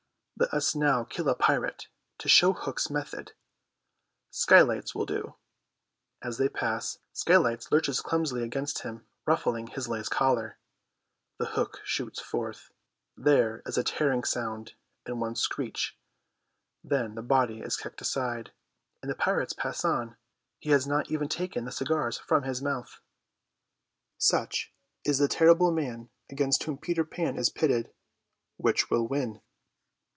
Let us now kill a pirate, to show Hook's method. Skylights will do. As they pass, Skylights lurches clumsily against him, ruffling his lace collar; the hook shoots forth, there is a tearing sound and one screech, then the body is kicked aside, and the pirates pass on. He has not even taken the cigars from his mouth. Such is the terrible man against whom Peter Pan is pitted. Which will win?